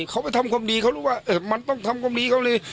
เขาไปทำความดีเขารู้ว่ามันต้องทำความดีเขาเลย